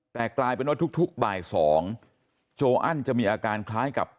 แต่กลายเป็นว่าทุกบ่าย๒โจอันจะมีอาการคล้ายกับ